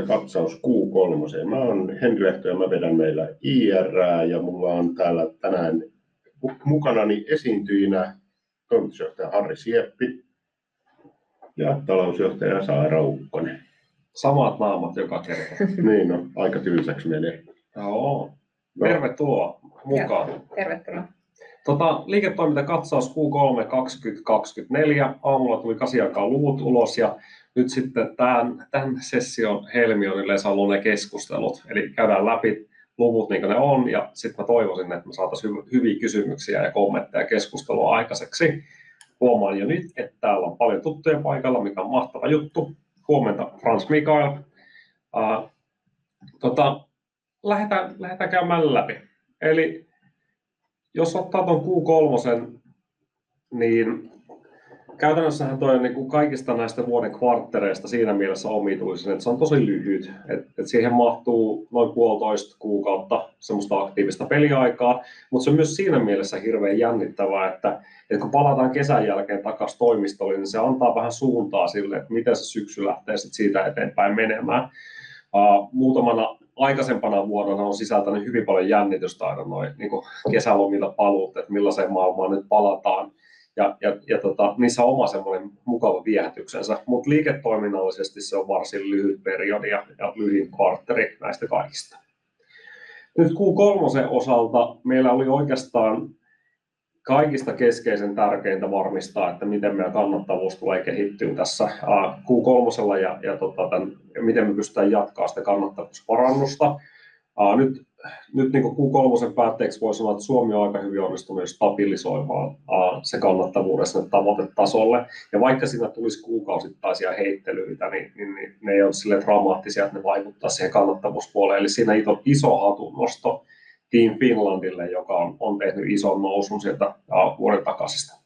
Liiketoimintakatsaus Q3:een. Mä oon Henri Lehto ja mä vedän meillä IR:ää, ja mulla on täällä tänään mukanani esiintyjinä Toimitusjohtaja Harri Sieppi ja Talousjohtaja Saara Ukkonen. Samat naamat joka kerta. Niin on, aika tyysäksi menee. Joo. Tervetuloa mukaan! Tervetuloa. Tota, liiketoimintakatsaus Q3 2024. Aamulla tuli kahdeksan aikaan luvut ulos ja nyt sitten tähän, tän session helmi on yleensä ollut ne keskustelut. Eli käydään läpi luvut niin kuin ne on, ja sitten mä toivoisin, että me saataisiin hyviä kysymyksiä ja kommentteja ja keskustelua aikaiseksi. Huomaan jo nyt, että täällä on paljon tuttuja paikalla, mikä on mahtava juttu. Huomenta Frans Mikael! Lähetään käymään läpi. Jos ottaa tuon Q3:n, niin käytännössähän toi on niinku kaikista näistä vuoden kvarttereista siinä mielessä omituisin, että se on tosi lyhyt, että siihen mahtuu noin puolitoista kuukautta semmoista aktiivista peliaikaa. Mutta se on myös siinä mielessä hirveän jännittävää, että kun palataan kesän jälkeen takaisin toimistolle, niin se antaa vähän suuntaa sille, että miten se syksy lähtee sitten siitä eteenpäin menemään. Muutamana aikaisempana vuonna on sisältänyt hyvin paljon jännitystä aina noi niinku kesälomilta paluut, että millaiseen maailmaan nyt palataan. Jaa, jaa totta, niissä on oma semmoinen mukava viehätyksensä, mutta liiketoiminnallisesti se on varsin lyhyt periodi ja lyhin kvartaali näistä kaikista. Nyt Q3:n osalta meillä oli oikeastaan kaikista keskeisintä varmistaa, että miten meidän kannattavuus tulee kehittymään tässä Q3:lla ja miten me pystytään jatkaa sitä kannattavuusparannusta. Nyt Q3:n päätteeksi voisi sanoa, että Suomi on aika hyvin onnistunut stabiloimaan sen kannattavuuden sinne tavoitetasolle, ja vaikka siinä tulisi kuukausittaisia heittelyitä, niin ne ei ole silleen dramaattisia, että ne vaikuttaisi siihen kannattavuuspuoleen. Eli siinä iso hatunnosto Team Finlandille, joka on tehnyt ison nousun sieltä vuoden takaisista.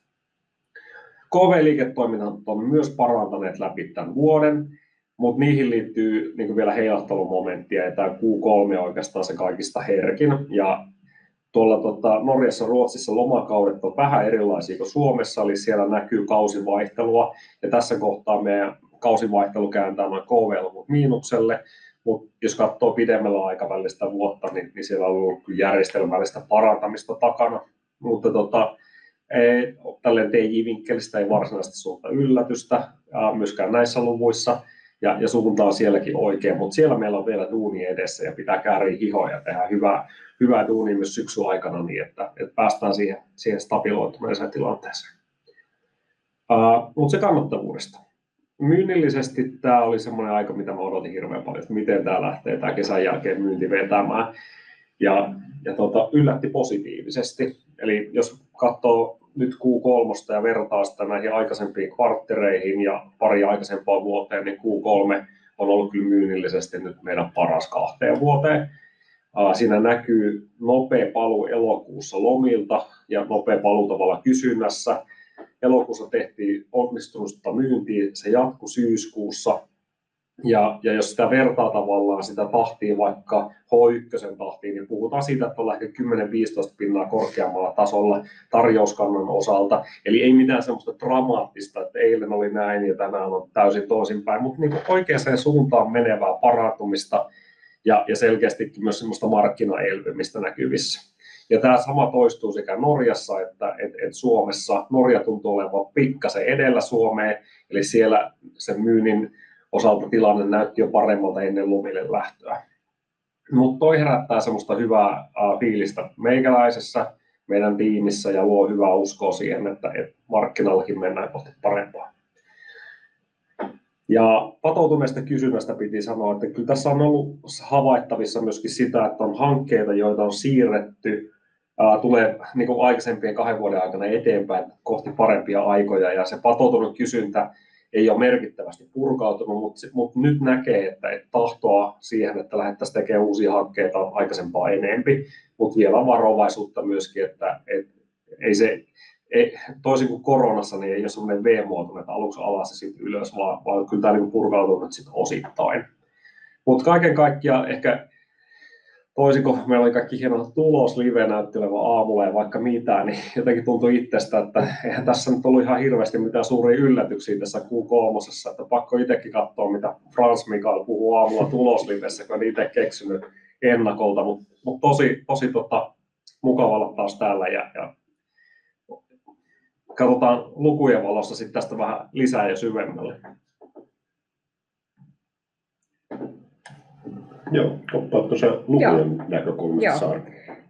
KV-liiketoiminnat on myös parantaneet läpi tän vuoden, mutta niihin liittyy vielä heilahtelumomenttia, ja tää Q3 on oikeastaan se kaikista herkin. Ja tuolla Norjassa ja Ruotsissa lomakaudet on vähän erilaisia kuin Suomessa, eli siellä näkyy kausivaihtelua, ja tässä kohtaa meidän kausivaihtelu kääntää noi KV-luvut miinukselle. Mutta jos katsoo pidemmällä aikavälillä sitä vuotta, niin siellä on ollut kyllä järjestelmällistä parantamista takana. Mutta tälleen TJ-vinkkelistä ei varsinaisesti suurta yllätystä myöskään näissä luvuissa, ja suunta on sielläkin oikea, mutta siellä meillä on vielä duunia edessä ja pitää kääriä hihoja ja tehdä hyvää duunia myös syksyn aikana, niin että päästään siihen stabiloituneeseen tilanteeseen. Mutta se kannattavuudesta. Myynnillisesti tää oli semmoinen aika, mitä mä odotin hirveän paljon, että miten tää lähtee tää kesän jälkeen myynti vetämään, ja yllätti positiivisesti. Jos katsoo nyt Q3:sta ja vertaa sitä näihin aikaisempiin kvarttereihin ja pariin aikaisempaan vuoteen, niin Q3 on ollut kyllä myynnillisesti nyt meidän paras kahteen vuoteen. Siinä näkyy nopea paluu elokuussa lomilta ja nopea paluu tavallaan kysynnässä. Elokuussa tehtiin onnistunutta myyntiä. Se jatkui syyskuussa, ja jos sitä vertaa tavallaan sitä tahtia vaikka H ykkösen tahtiin, niin puhutaan siitä, että ollaan ehkä kymmenen, viisitoista pinnaa korkeammalla tasolla tarjouskannan osalta. Eli ei mitään semmoista dramaattista, että eilen oli näin ja tänään on täysin toisinpäin, mutta oikeaan suuntaan menevää parantumista ja selkeästi myös semmoista markkinan elpymistä näkyvissä. Tämä sama toistuu sekä Norjassa että Suomessa. Norja tuntuu olevan pikkaisen edellä Suomea, eli siellä sen myynnin osalta tilanne näytti jo paremmalta ennen lomille lähtöä. Mutta toi herättää semmoista hyvää fiilistä meikäläisessä, meidän tiimissä, ja luo hyvää uskoa siihen, että markkinoillakin mennään kohti parempaa. Patoutuneesta kysynnästä piti sanoa, että kyllä tässä on ollut havaittavissa myöskin sitä, että on hankkeita, joita on siirretty, tulee aikaisempien kahden vuoden aikana eteenpäin kohti parempia aikoja, ja se patoutunut kysyntä ei ole merkittävästi purkautunut. Mutta nyt näkee, että tahtoa siihen, että lähdettäisiin tekemään uusia hankkeita on aikaisempaa enemmän, mutta vielä varovaisuutta myöskin, että ei se... toisin kuin koronassa, niin ei ole semmoinen V-muotoinen, että aluksi alas ja sitten ylös, vaan kyllä tää niinku purkautunut nyt sitten osittain. Mutta kaiken kaikkiaan ehkä toisin kuin meillä oli kaikki hieno tuloslive näyttö tulevaan aamulle ja vaikka mitä, niin jotenkin tuntuu itsestä, että eihän tässä nyt ollut ihan hirveästi mitään suuria yllätyksiä tässä Q kolmosessa, että pakko itekin katsoa, mitä Frans Mikael puhuu aamulla tuloslivessä, kun en itse keksinyt ennakolta. Mutta tosi mukava olla taas täällä, ja katotaan lukujen valossa sitten tästä vähän lisää ja syvemälle. Joo, ottaatko sä lukujen näkökulmasta Saara? Joo,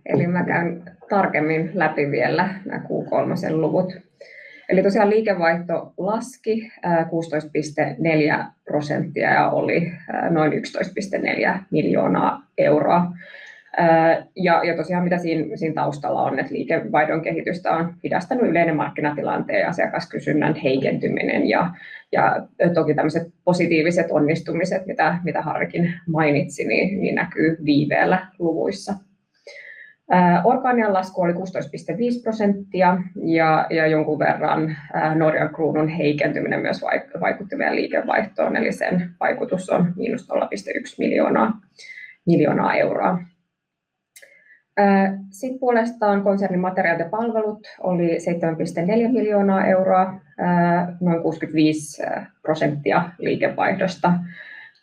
eli mä käyn tarkemmin läpi vielä nää Q3:n luvut. Eli tosiaan liikevaihto laski 16,4% ja oli noin 11,4 miljoonaa euroa. Ja tosiaan, mitä siinä taustalla on, että liikevaihdon kehitystä on hidastanut yleinen markkinatilanteen ja asiakaskysynnän heikentyminen. Ja toki tämmöiset positiiviset onnistumiset, mitä Harrikin mainitsi, niin näkyy viiveellä luvuissa. Orgaaninen lasku oli 16,5%, ja jonkun verran Norjan kruunun heikentyminen myös vaikutti meidän liikevaihtoon, eli sen vaikutus on miinus 0,1 miljoonaa euroa. Sitten puolestaan konsernin materiaalit ja palvelut oli 7,4 miljoonaa euroa, noin 65% liikevaihdosta,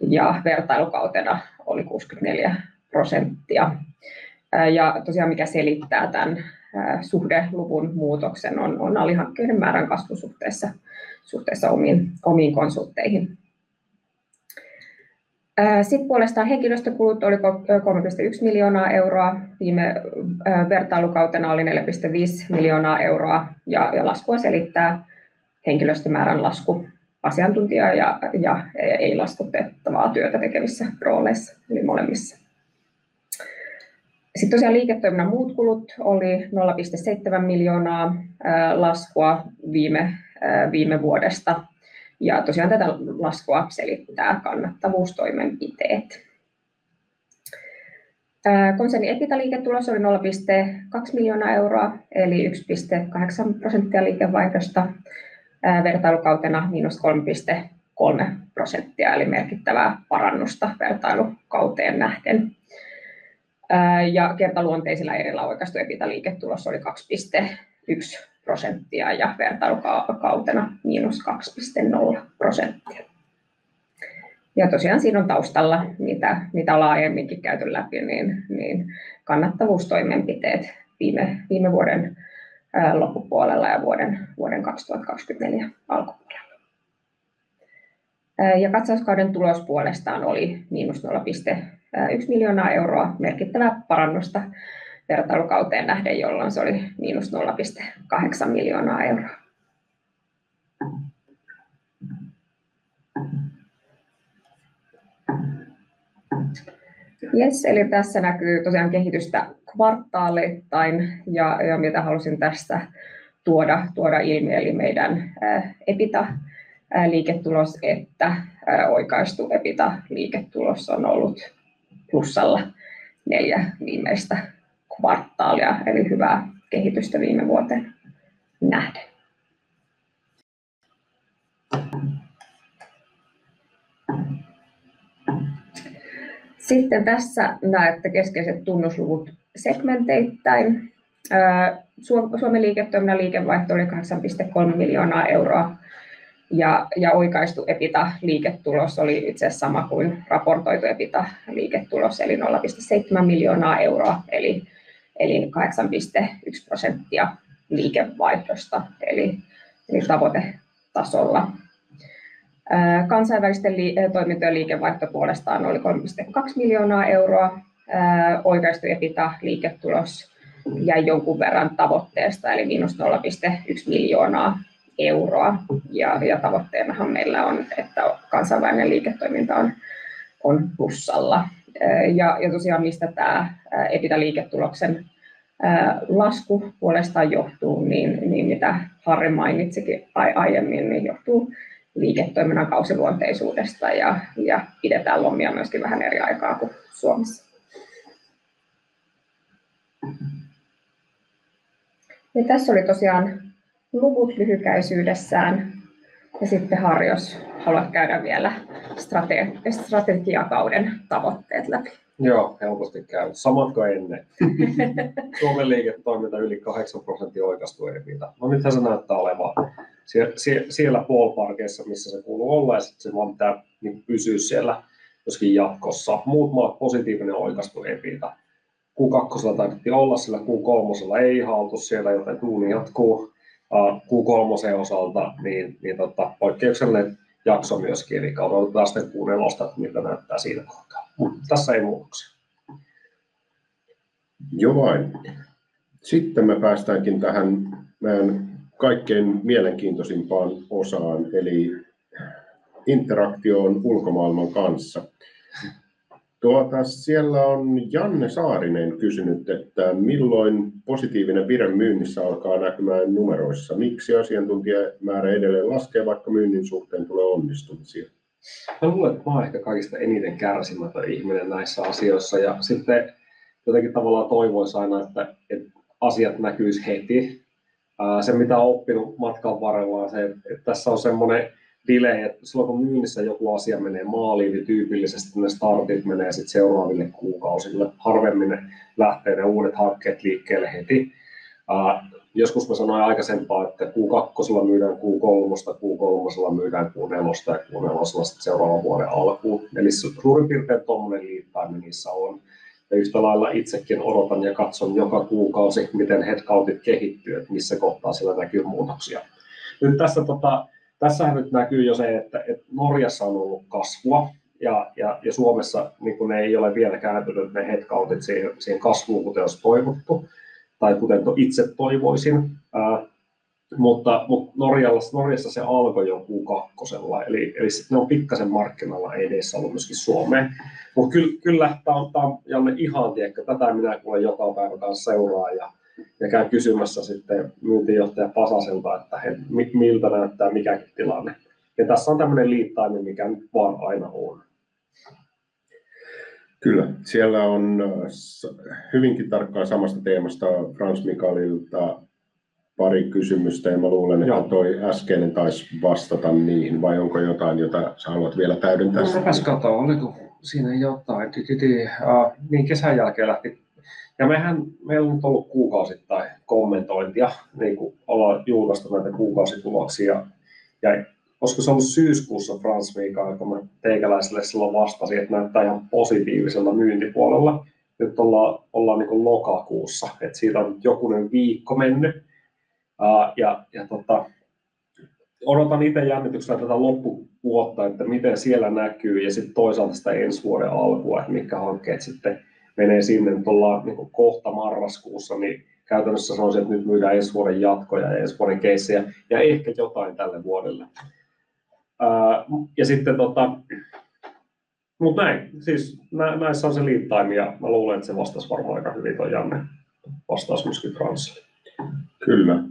ja vertailukautena oli 64%. Ja tosiaan, mikä selittää tän suhdeluvun muutoksen, on alihankkijoiden määrän kasvu suhteessa omiin konsulteihin. Sitten puolestaan henkilöstökulut oli 3,1 miljoonaa euroa. Viime vertailukautena oli 4.5 miljoonaa euroa, ja laskua selittää henkilöstömäärän lasku asiantuntija- ja laskutettavaa työtä tekevissä rooleissa. Molemmissa. Liiketoiminnan muut kulut oli 0.7 miljoonaa laskua viime vuodesta. Tätä laskua selittää kannattavuustoimenpiteet. Konsernin EBITDA liiketulos oli 0.2 miljoonaa euroa eli 1.8% liikevaihdosta. Vertailukautena miinus 3.3%, eli merkittävää parannusta vertailukauteen nähden. Kertaluonteisilla erillä oikaistu EBITDA liiketulos oli 2.1% ja vertailukautena miinus 2.0%. Siinä on taustalla kannattavuustoimenpiteet viime vuoden loppupuolella ja vuoden 2024 alkupuolella. Katsauskauden tulos puolestaan oli miinus 0.1 miljoonaa euroa. Merkittävää parannusta vertailukauteen nähden, jolloin se oli miinus 0.8 miljoonaa euroa. Jes! Eli tässä näkyy tosiaan kehitystä kvartaaleittain, ja mitä halusin tästä tuoda ilmi, eli meidän EBITDA liiketulos että oikaistu EBITDA liiketulos on ollut plussalla neljä viimeistä kvartaalia. Eli hyvää kehitystä viime vuoteen nähden. Sitten tässä näette keskeiset tunnusluvut segmenteittäin. Suomen liiketoiminnan liikevaihto oli €8.3 miljoonaa, ja oikaistu EBITDA liiketulos oli itse asiassa sama kuin raportoitu EBITDA liiketulos, eli €0.7 miljoonaa. Eli 8.1% liikevaihdosta. Eli tavoitetasolla. Kansainvälisten toimintojen liikevaihto puolestaan oli €3.2 miljoonaa. Oikaistu EBITDA liiketulos jäi jonkun verran tavoitteesta eli -€0.1 miljoonaa. Tavoitteenahan meillä on, että kansainvälinen liiketoiminta on plussalla. Tosiaan, mistä tää EBITDA liiketuloksen lasku puolestaan johtuu, niin mitä Harri mainitsikin aiemmin, niin johtuu liiketoiminnan kausiluonteisuudesta, ja pidetään lomia myöskin vähän eri aikaan kuin Suomessa. Tässä oli tosiaan luvut lyhykäisyydessään. Ja sitten Harri, jos haluat käydä vielä strategiakauden tavoitteet läpi. Joo, helposti käy. Samat kuin ennen. Suomen liiketoiminta yli 8% oikaistu EBITDA. No nythän se näyttää olevan siellä, missä sen kuuluu olla, ja sitten sen vaan pitää pysyä siellä myöskin jatkossa. Muut maat positiivinen oikaistu EBITDA. Q2:lla taidettiin olla, Q3:lla ei ihan oltu siellä, joten duuni jatkuu. Q3:n osalta poikkeuksellinen jakso myöskin, eli odotetaan sitten Q4:ää, että miltä näyttää siinä kohtaa. Tässä ei muutoksia. Joo vain! Sitten me päästäänkin tähän meidän kaikkein mielenkiintoisimpaan osaan, eli interaktioon ulkomaailman kanssa. Tuota, siellä on Janne Saarinen kysynyt, että milloin positiivinen vire myynnissä alkaa näkyä numeroissa? Miksi asiantuntijamäärä edelleen laskee, vaikka myynnin suhteen tulee onnistumisia? Mä luulen, että mä oon ehkä kaikista eniten kärsimätön ihminen näissä asioissa ja sitten jotenkin tavallaan toivois aina, että asiat näkyis heti. Se, mitä on oppinut matkan varrella, on se, että tässä on semmoinen viive, että silloin kun myynnissä joku asia menee maaliin, niin tyypillisesti ne startit menee sitten seuraaville kuukausille. Harvemmin ne lähtee ne uudet hankkeet liikkeelle heti. Joskus mä sanoin aikaisemmin, että Q2:lla myydään Q3:a, Q3:lla myydään Q4:ä ja Q4:llä sitten seuraavan vuoden alkua. Eli suurin piirtein tuommoinen liittymä niissä on, ja yhtä lailla itsekin odotan ja katson joka kuukausi, miten head countit kehittyy, että missä kohtaa siellä näkyy muutoksia. Nyt tässä näkyy jo se, että Norjassa on ollut kasvua ja Suomessa ne ei ole vielä kääntynyt ne head countit siihen kasvuun, kuten olisi toivottu tai kuten itse toivoisin. Mutta Norjassa se alkoi jo Q2:lla, eli ne on pikkaisen markkinalla edessä ollut myöskin Suomea. Mutta kyllä tää on ihan... Tiedätkö, tätä minä kuule joka päivä kans seuraan ja käyn kysymässä sitten Myyntijohtaja Pasaselta, että hei, miltä näyttää, mikä tilanne? Ja tässä on tämmöinen liittain, mikä nyt vaan aina on. Kyllä, siellä on hyvinkin tarkkaan samasta teemasta Frans Mikaelilta pari kysymystä, ja mä luulen, että toi äskeinen tausi vastata niihin. Vai onko jotain, jota sä haluat vielä täydentää? No mäpäs katson, oliko siinä jotain. Tytytyy, niin kesän jälkeen lähti, ja mehän, meillä on nyt ollut kuukausittain kommentointia, niin kuin ollaan julkaistu näitä kuukausituloksia, ja olisiko se ollut syyskuussa Frans Mikael, kun mä teikäläiselle silloin vastasin, että näyttää ihan positiiviselta myyntipuolella. Nyt ollaan lokakuussa, että siitä on nyt jokunen viikko mennyt, ja odotan itse jännityksellä tätä loppuvuotta, että miten siellä näkyy ja sitten toisaalta sitä ensi vuoden alkua, että mitkä hankkeet sitten menee sinne. Nyt ollaan kohta marraskuussa, niin käytännössä sanoisin, että nyt myydään ensi vuoden jatkoja ja ensi vuoden keissejä ja ehkä jotain tälle vuodelle. Ja sitten, mut näin. Siis näissä on se lead time, ja mä luulen, että se vastasi varmaan aika hyvin toi Janne vastasi myöskin Fransille. Kyllä.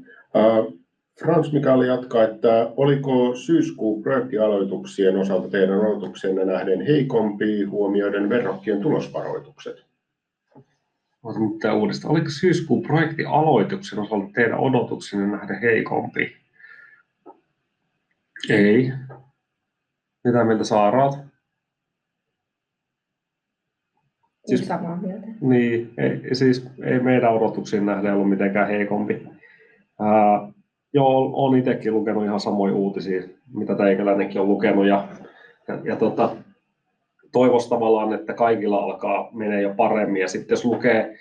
Frans Mikael jatkaa, että oliko syyskuu projektialoituksien osalta teidän odotuksiinne nähden heikompi, huomioiden verrokkien tulosvaroitukset? Voitko lukea uudestaan, oliko syyskuu projektialoituksien osalta teidän odotuksiinne nähden heikompi? Ei. Mitä mieltä Saara olet? Samaa mieltä. Niin, ei, siis ei meidän odotuksiin nähden ollut mitenkään heikompi. Joo, oon itsekin lukenut ihan samoja uutisia, mitä teikäläinenkin on lukenut, ja toivois tavallaan, että kaikilla alkaa mennä jo paremmin, ja sitten jos lukee,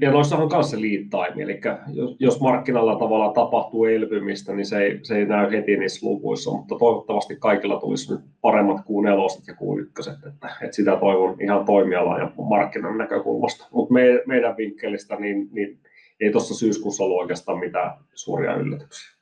ja noissahan on kanssa se lead time. Elikkä jos markkinalla tavallaan tapahtuu elpymistä, niin se ei näy heti niissä luvuissa, mutta toivottavasti kaikilla tulisi nyt paremmat Q neloset ja Q ykköset, että sitä toivon ihan toimialan ja markkinan näkökulmasta. Mutta meidän vinkkelistä, niin ei tuossa syyskuussa ollut oikeastaan mitään suuria yllätyksiä.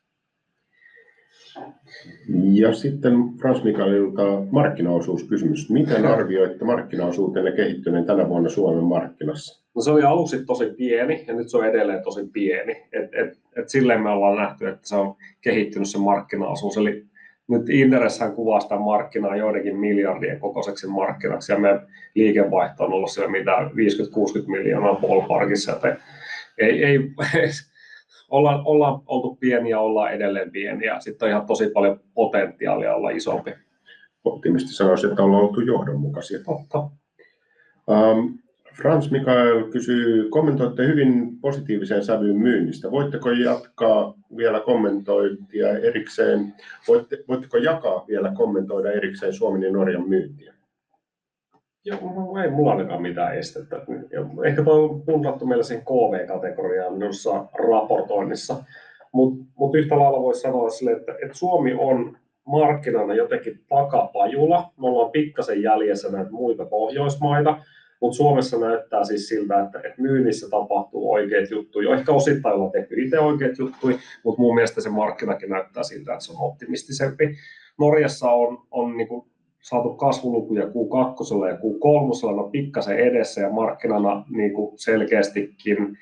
Ja sitten Frans Mikaelilta markkinaosuuskysymys. Miten arvioitte markkinaosuutenne kehittyneen tänä vuonna Suomen markkinassa? No, se oli aluksi tosi pieni ja nyt se on edelleen tosi pieni, että me ollaan nähty, että se on kehittynyt se markkinaosuus. Eli nyt Interes kuvaa sitä markkinaa joidenkin miljardien kokoiseksi markkinaksi, ja meidän liikevaihto on ollut siellä mitä, 50-60 miljoonaa ball parkissa, että ei ollaan oltu pieni ja ollaan edelleen pieni, ja sitten on ihan tosi paljon potentiaalia olla isompi. Optimisti sanoisi, että ollaan oltu johdonmukaisia. Totta. Frans Mikael kysyy: kommentoitte hyvin positiiviseen sävyyn myynnistä. Voitteko jatkaa vielä kommentointia erikseen? Voitteko jakaa vielä kommentoida erikseen Suomen ja Norjan myyntiä? Joo, ei mulla ole ainakaan mitään estettä. Ehkä toi on punnittu meillä siihen KV-kategoriaan noissa raportoinnissa. Mutta yhtä lailla voisi sanoa silleen, että Suomi on markkinana jotenkin takapajula. Me ollaan pikkaisen jäljessä näitä muita Pohjoismaita, mutta Suomessa näyttää siis siltä, että myynnissä tapahtuu oikeita juttuja. Ehkä osittain ollaan tehty ite oikeita juttuja, mutta mun mielestä se markkinakin näyttää siltä, että se on optimistisempi. Norjassa on saatu kasvulukuja Q kakkosella ja Q kolmosella, ne on pikkaisen edessä ja markkinana selkeästikin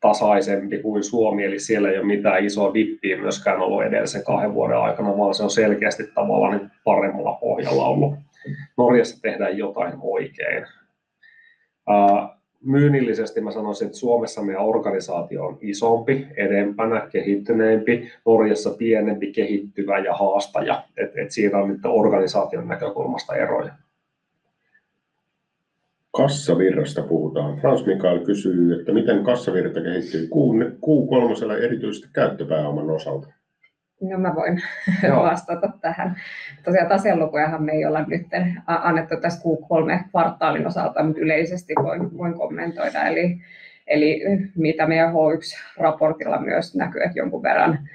tasaisempi kuin Suomi. Eli siellä ei ole mitään isoa dippiä myöskään ollut edellisen kahden vuoden aikana, vaan se on selkeästi tavallaan paremmalla pohjalla ollut. Norjassa tehdään jotain oikein. Myynnillisesti mä sanoisin, että Suomessa meidän organisaatio on isompi, edempänä, kehittyneempi, Norjassa pienempi, kehittyvä ja haastaja. Siinä on nyt organisaation näkökulmasta eroja. Kassavirrasta puhutaan. Frans Mikael kysyy, että miten kassavirta kehittyi Q3:lla, erityisesti käyttöpääoman osalta? No, mä voin vastata tähän. Tosiaan taselukujahan me ei olla nytten annettu tässä Q3-kvartaalin osalta, mutta yleisesti voin kommentoida. Eli mitä meidän H1-raportilla myös näkyy, että jonkun verran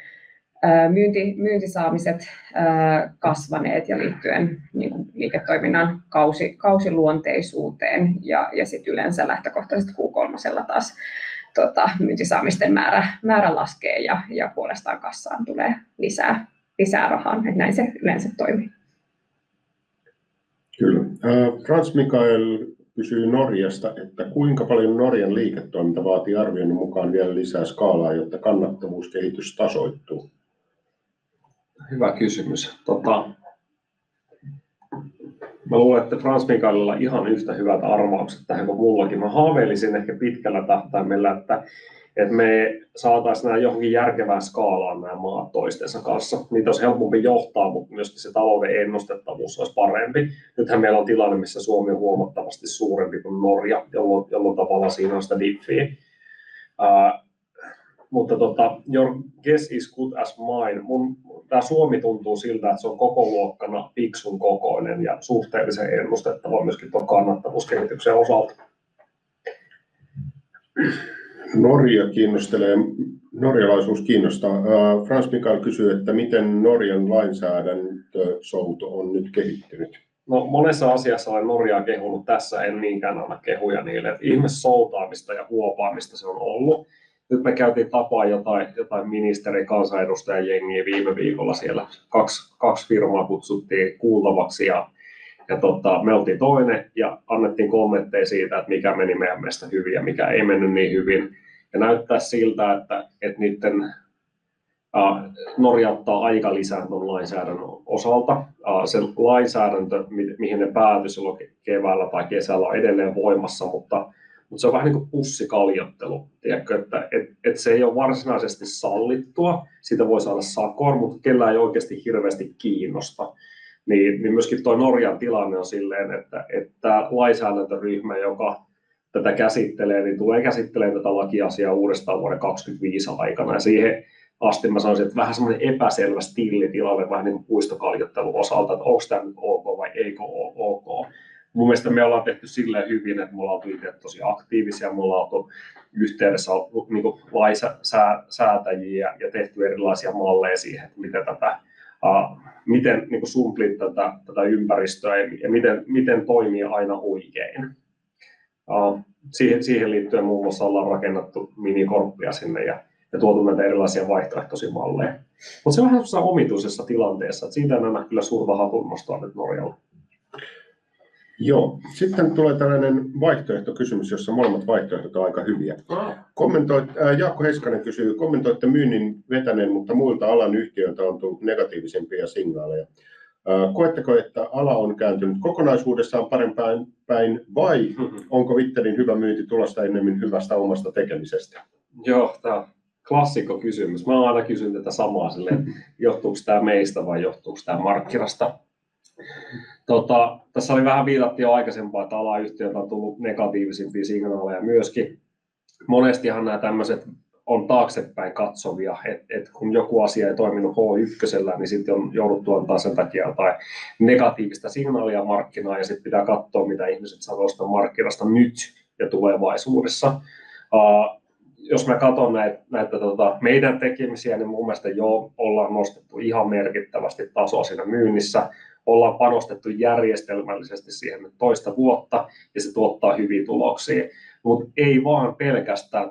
myynti, myyntisaamiset kasvaneet ja liittyen niinkun liiketoiminnan kausiluonteisuuteen ja sitten yleensä lähtökohtaisesti Q3:lla taas myyntisaamisten määrä laskee ja puolestaan kassaan tulee lisää rahaa, että näin se yleensä toimii. Kyllä. Frans Mikael kysyy Norjasta, että kuinka paljon Norjan liiketoiminta vaatii arvionne mukaan vielä lisää skaalaa, jotta kannattavuuskehitys tasoittuu? Hyvä kysymys! Mä luulen, että Frans Mikaelilla on ihan yhtä hyvät arvaukset tähän kuin mullakin. Mä haaveilisin ehkä pitkällä tähtäimellä, että me saataisiin nää johonkin järkevään skaalaan nää maat toistensa kanssa, niitä olisi helpompi johtaa, mutta myöskin se talouden ennustettavuus olisi parempi. Nythän meillä on tilanne, missä Suomi on huomattavasti suurempi kuin Norja, jolloin tavallaan siinä on sitä dippiä. Mutta your guess is good as mine. Mun tää Suomi tuntuu siltä, että se on kokoluokkana Fiksun kokoinen ja suhteellisen ennustettava myöskin tuon kannattavuuskehityksen osalta. Norja kiinnostaa, norjalaisuus kiinnostaa. Frans Mikael kysyy, että miten Norjan lainsäädäntö on nyt kehittynyt. No, monessa asiassa olen Norjaa kehunut. Tässä en niinkään anna kehuja niille, että ihme soutamista ja huopaamista se on ollut. Nyt me käytiin tapaamassa jotain ministeri kansanedustajajengiä viime viikolla siellä. Kaksi firmaa kutsuttiin kuultavaksi, ja me oltiin toinen ja annettiin kommentteja siitä, että mikä meni meidän mielestä hyvin ja mikä ei mennyt niin hyvin. Ja näyttäisi siltä, että Norja ottaa aikalisän ton lainsäädännön osalta. Se lainsäädäntö, mihin ne päätyi silloin keväällä tai kesällä, on edelleen voimassa, mutta se on vähän niin kuin pussikaljottelu. Tiedätkö, että se ei ole varsinaisesti sallittua. Siitä voi saada sakon, mutta kellään ei oikeasti hirveästi kiinnosta. Myöskin toi Norjan tilanne on silleen, että tää lainsäädäntöryhmä, joka tätä käsittelee, tulee käsittelee tätä lakiasiaa uudestaan vuoden 2025 aikana ja siihen asti mä sanoisin, että vähän semmonen epäselvä stilli tilalle, vähän niin kuin puistokaljottelun osalta, että onks tää nyt ok vai eikö oo ok? Mun mielestä me ollaan tehty silleen hyvin, että me ollaan oltu itse tosi aktiivisia. Me ollaan oltu yhteydessä lainsäätäjiin ja tehty erilaisia malleja siihen, että miten tätä, miten sumplii tätä ympäristöä ja miten toimia aina oikein. Siihen liittyen muun muassa ollaan rakennettu minikorppia sinne ja tuotu näitä erilaisia vaihtoehtoisia malleja. Mutta se on vähän semmosessa omituisessa tilanteessa, että siitä en anna kyllä suurta vahvaa kunnostaa nyt Norjalle. Joo, sitten tulee tällainen vaihtoehtokysymys, jossa molemmat vaihtoehdot on aika hyviä. Kommentoi, Jaakko Heiskanen kysyy: Kommentoitte myynnin vetäneen, mutta muilta alan yhtiöiltä on tullut negatiivisempia signaaleja. Koetteko, että ala on kääntynyt kokonaisuudessaan parempaan päin, vai onko Ittelin hyvä myynti tulosta ennemmin hyvästä omasta tekemisestä? Joo, tää klassikkokysymys. Mä aina kysyn tätä samaa, silleen, että johtuuko tää meistä vai johtuuko tää markkinasta? Tässä oli vähän viilattiin jo aikaisempaa, että alan yhtiöiltä on tullut negatiivisempia signaaleja. Myöskin monestihan nää tämmöset on taaksepäin katsovia, että kun joku asia ei toiminut H ykkösellä, niin sitten on jouduttu antaa sen takia jotain negatiivista signaalia markkinaan ja sitten pitää katsoa, mitä ihmiset sanoo siitä markkinasta nyt ja tulevaisuudessa. Jos mä katson näitä meidän tekemisiä, niin mun mielestä joo, ollaan nostettu ihan merkittävästi tasoa siinä myynnissä. Ollaan panostettu järjestelmällisesti siihen nyt toista vuotta ja se tuottaa hyviä tuloksia. Mutta ei vaan pelkästään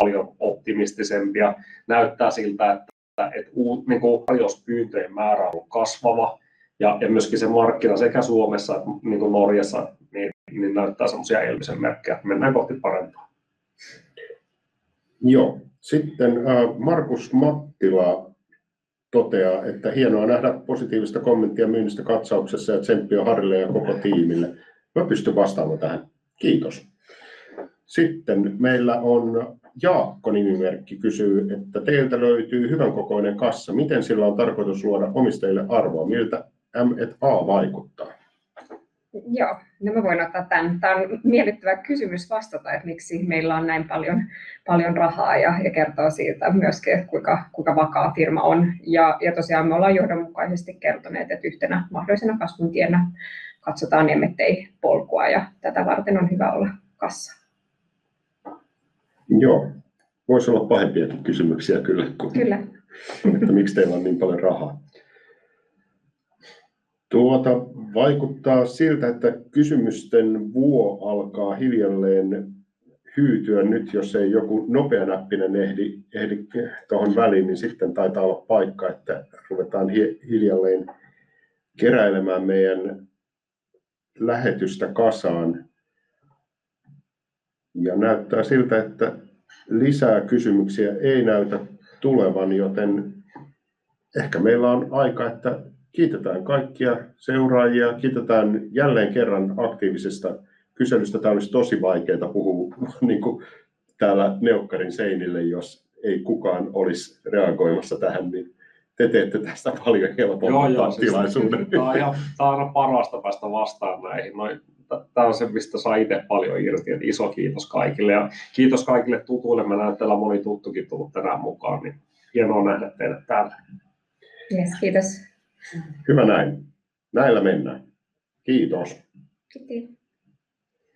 paljon optimistisempia. Näyttää siltä, että uusien tarjouspyyntöjen määrä on ollut kasvava ja myöskin se markkina sekä Suomessa että Norjassa näyttää semmoisia elpymisen merkkejä, että mennään kohti parempaa. Joo, sitten Markus Mattila toteaa, että hienoa nähdä positiivista kommenttia myynnistä katsauksessa ja tsemppiä Harrille ja koko tiimille. Mä pystyn vastaamaan tähän. Kiitos! Sitten meillä on Jaakko-nimimerkki kysyy, että teiltä löytyy hyvän kokoinen kassa. Miten sillä on tarkoitus luoda omistajille arvoa? Miltä M&A vaikuttaa? Joo, no mä voin ottaa tän. Tää on miellyttävä kysymys vastata, että miksi meillä on näin paljon rahaa ja kertoo siitä myöskin, että kuinka vakaa firma on. Ja tosiaan me ollaan johdonmukaisesti kertoneet, että yhtenä mahdollisena kasvuntienä katsotaan M&A-polkua ja tätä varten on hyvä olla kassa. Joo, voisi olla pahempiakin kysymyksiä kyllä kuin- Kyllä. että miksi teillä on niin paljon rahaa. Vaikuttaa siltä, että kysymysten vuo alkaa hiljalleen hyytyä. Nyt jos ei joku nopeanäppinen ehdi tohon väliin, niin sitten taitaa olla paikka, että ruvetaan hiljalleen keräilemään meidän lähetystä kasaan. Ja näyttää siltä, että lisää kysymyksiä ei näytä tulevan, joten ehkä meillä on aika, että kiitetään kaikkia seuraajia. Kiitetään jälleen kerran aktiivisesta kyselystä. Tää olisi tosi vaikeaa puhua niinku täällä neukkarin seinille, jos ei kukaan olisi reagoimassa tähän, niin te teette tästä paljon helpomman tilaisuuden. Tää on ihan parasta päästä vastaamaan näihin. Noin, tää on se, mistä saa itse paljon irti. Iso kiitos kaikille ja kiitos kaikille tutuille! Mä näen, täällä moni tuttukin tullut tänään mukaan, niin hienoa nähdä teidät täällä. Kyllä, kiitos! Hyvä näin, näillä mennään. Kiitos. Kiitos!